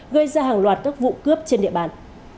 gây ra hàng loạt các vụ cướp trên địa bàn